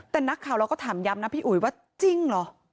แต่นักข่าวเราก็ถามย้ำนะพี่อุ๋ยว่าจริงเหรอ